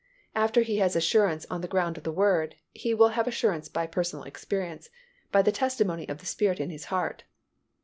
After he has assurance on the ground of the Word, he will have assurance by personal experience, by the testimony of the Spirit in his heart.